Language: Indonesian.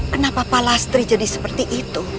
kenapa pak lastri jadi seperti itu